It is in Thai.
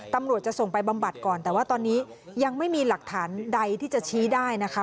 ตำรวจจะส่งไปบำบัดก่อนแต่ว่าตอนนี้ยังไม่มีหลักฐานใดที่จะชี้ได้นะคะ